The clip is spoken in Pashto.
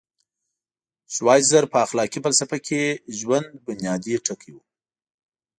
شوایتزر په اخلاقي فلسفه کې ژوند بنیادي ټکی و.